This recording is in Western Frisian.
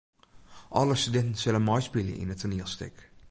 Alle studinten sille meispylje yn it toanielstik.